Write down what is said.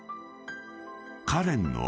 ［カレンの姉